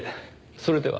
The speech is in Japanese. それでは。